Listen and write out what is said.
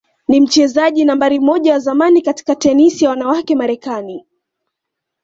ni mchezaji nambari moja wa zamani katika tenisi ya wanawake Marekani